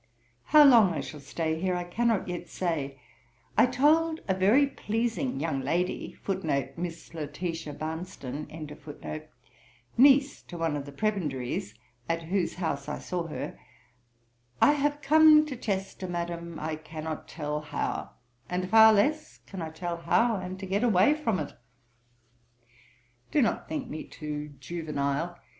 'How long I shall stay here I cannot yet say. I told a very pleasing young lady, niece to one of the Prebendaries, at whose house I saw her, "I have come to Chester, Madam, I cannot tell how; and far less can I tell how I am to get away from it." Do not think me too juvenile.